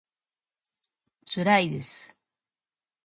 つらいです